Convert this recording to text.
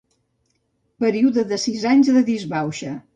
Període de sis anys de disbauxa.